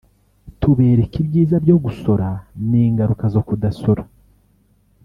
tubereka ibyiza byo gusora n’ingaruka zo kudasora